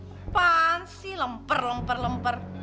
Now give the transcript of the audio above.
apaan sih lempar lempar lempar